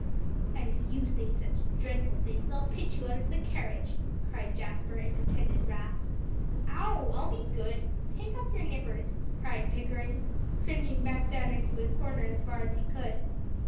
"And if you say such dreadful things I'll pitch you out of the carriage," cried Jasper in pretended wrath. "Ow! I'll be good. Take off your nippers," cried Pickering, cringing back down into his corner as far as he could.